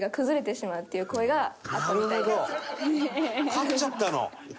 勝っちゃったの？